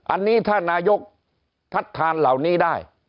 อันนี้ถ้านายกทัดทานเหล่านี้ได้